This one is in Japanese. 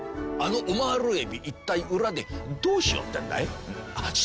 あのオマールエビ一体裏でどうしようってんだい？